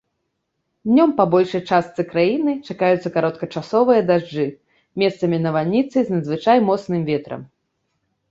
Днём па большай частцы краіны чакаюцца кароткачасовыя дажджы, месцамі навальніцы з надзвычай моцным ветрам.